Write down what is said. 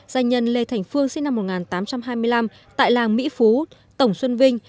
doanh nhân lê thành phương sinh năm một nghìn tám trăm hai mươi năm tại làng mỹ phú tổng xuân vinh